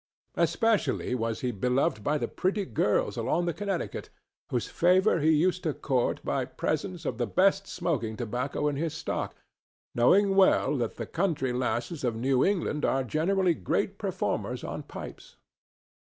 Especially was he beloved by the pretty girls along the Connecticut, whose favor he used to court by presents of the best smoking tobacco in his stock, knowing well that the country lasses of New England are generally great performers on pipes.